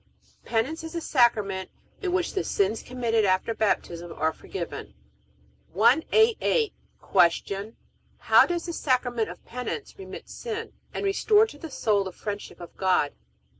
Penance is a Sacrament in which the sins committed after Baptism are forgiven. 188. Q. How does the Sacrament of Penance remit sin, and restore to the soul the friendship of God?